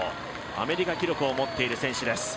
アメリカ記録を持っている選手です。